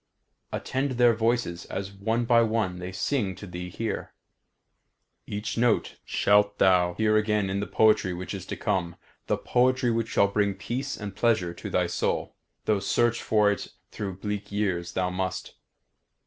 Attend their voices as one by one they sing to thee here. Each note shalt thou hear again in the poetry which is to come; the poetry which shall bring peace and pleasure to thy soul, though search for it through bleak years thou must.